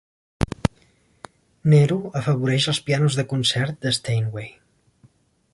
Nero afavoreix els pianos de concert de Steinway.